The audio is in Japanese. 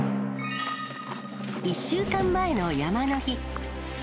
１週間前の山の日。